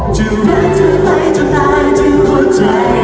จะรักเธอไปจากหลายที่หัวใจ